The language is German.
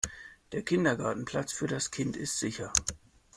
Der Kindergartenplatz für das Kind ist sicher.